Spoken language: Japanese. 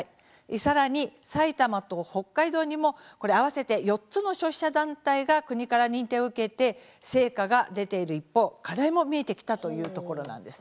さらに埼玉と北海道にも合わせて４つの消費者団体が国から認定を受けて成果が出ている一方課題も見えてきたというところなんです。